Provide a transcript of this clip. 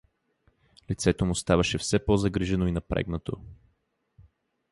Лицето му ставаше все по-загрижено и напрегнато.